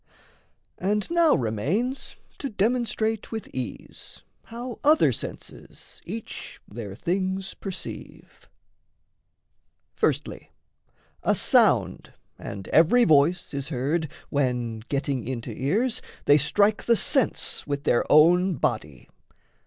And now remains to demonstrate with ease How other senses each their things perceive. Firstly, a sound and every voice is heard, When, getting into ears, they strike the sense With their own body.